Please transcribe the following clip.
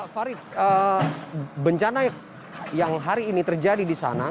farid bencana yang hari ini terjadi di sana